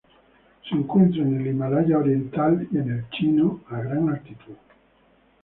Se encuentra en el Himalaya oriental y el Himalaya chino a gran altitud.